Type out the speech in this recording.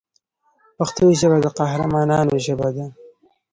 پښتو ژبه د قهرمانانو ژبه ده.